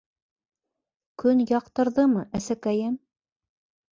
— Көн яҡтырҙымы, әсәкәйем?